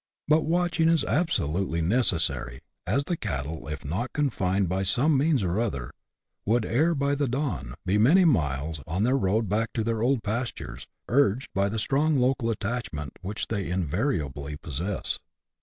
But watching is absolutely neces sary, as the cattle, if not confined by some means or other, would, ere the dawn, be many miles on their road back to their old pastures, urged by the strong local attachment which they invariably possess.